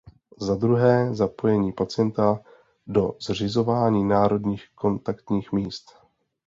Za druhé, zapojení pacienta do zřizování národních kontaktních míst.